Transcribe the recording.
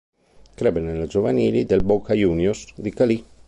Crebbe nelle giovanili del Boca Juniors di Cali.